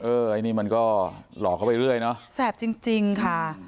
ไอ้นี่มันก็หลอกเข้าไปเรื่อยเนอะแสบจริงจริงค่ะ